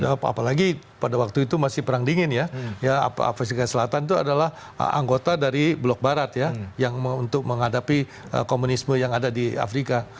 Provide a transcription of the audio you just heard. apalagi pada waktu itu masih perang dingin ya afrika selatan itu adalah anggota dari blok barat ya yang untuk menghadapi komunisme yang ada di afrika